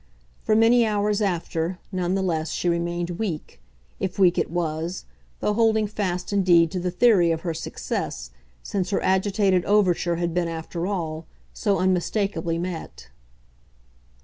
For many hours after, none the less, she remained weak if weak it was; though holding fast indeed to the theory of her success, since her agitated overture had been, after all, so unmistakably met.